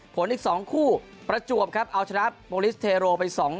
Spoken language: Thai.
อีก๒คู่ประจวบครับเอาชนะโปรลิสเทโรไป๒๐